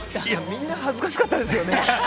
みんな恥ずかしかったですよね。